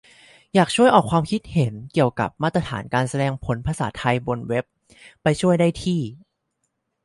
อยากช่วยออกความเห็นเกี่ยวกับมาตรฐานการแสดงผลภาษาไทยบนเว็บ ไปช่วยได้ที่